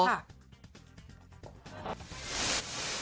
เอ้าเหรอ